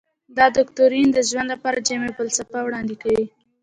دا دوکتورین د ژوند لپاره جامعه فلسفه وړاندې کوي.